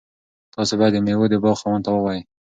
تاسي باید د میوو د باغ خاوند ته ووایئ.